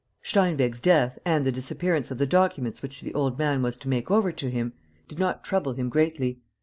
..." Steinweg's death and the disappearance of the documents which the old man was to make over to him did not trouble him greatly.